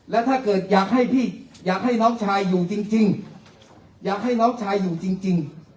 แล้วถ้าเกิดอยากให้พี่อยากให้น้องชายอยู่จริงอยากให้น้องชายอยู่จริง